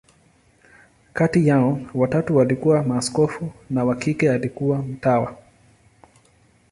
Kati yao, watatu walikuwa maaskofu, na wa kike alikuwa mtawa.